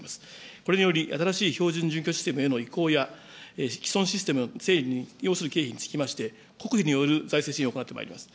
これにより新しい標準準拠システムへの移行や、既存システムの整備に要する経費につきまして、財政支援を行ってまいります。